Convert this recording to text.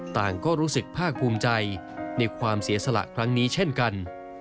ต่างก็รู้สึกภาคภูมิใจในความเสียสละครั้งนี้เช่นกัน